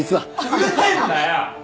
うるせえんだよ！